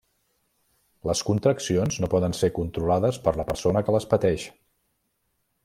Les contraccions no poden ser controlades per la persona que les pateix.